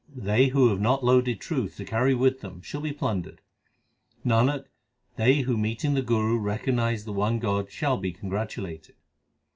They who have not loaded truth to carry with them, shall be plundered. Nanak, they who meeting the Guru recognize the one God shall be congratulated.